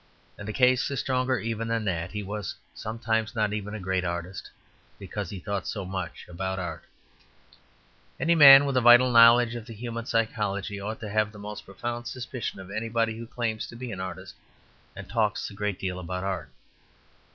And the case is stronger even than that. He was sometimes not even a great artist, because he thought so much about art. Any man with a vital knowledge of the human psychology ought to have the most profound suspicion of anybody who claims to be an artist, and talks a great deal about art.